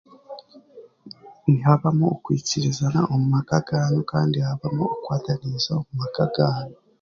Nihabamu okwikirizana omu maka gaanyu kandi habamu okukwatanisa omu maka gaanyu.